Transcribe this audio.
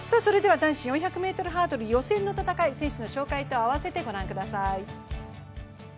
男子４００ｍハードル予選の戦い、選手の紹介と合わせて御覧ください。